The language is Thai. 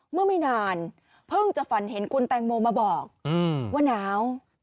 ไม่นานเพิ่งจะฝันเห็นคุณแตงโมมาบอกว่าหนาว